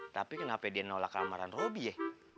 tapi kenapa dia nolak amaran robby ye